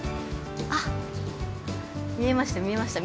あっ、見えました見えました。